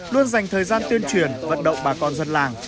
luôn dành thời gian tuyên truyền vận động bà con dân làng